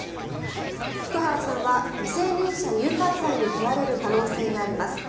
福原さんは未成年者誘拐罪に問われる可能性があります。